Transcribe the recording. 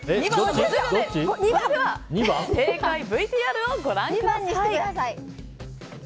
それでは正解ＶＴＲをご覧ください。